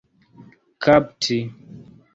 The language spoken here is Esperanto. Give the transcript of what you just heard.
kapti